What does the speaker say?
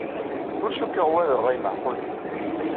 Ur cikkeɣ wa d ṛṛay meɛqulen.